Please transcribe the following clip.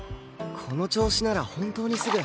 この調子なら本当にすぐ